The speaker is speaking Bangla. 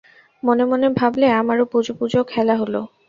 মনে মনে ভাবলে, আমারও পুজো-পুজো খেলা হল।